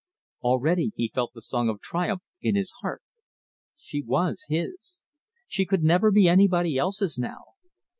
Already he felt the song of triumph in his heart. She was his! She could never be anybody else's now.